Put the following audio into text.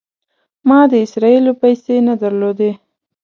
ما د اسرائیلو پیسې نه درلودې.